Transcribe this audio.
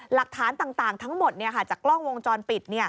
หลักฐานต่างทั้งหมดจากกล้องวงจรปิด